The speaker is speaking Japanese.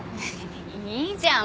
いいじゃん。